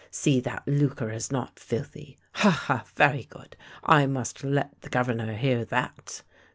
See that Lucre is not filthy — ha! ha! very good, I must let the Governor hear that.